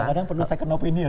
kadang perlu second opinion